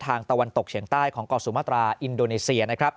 ตะวันตกเฉียงใต้ของกอสุมาตราอินโดนีเซียนะครับ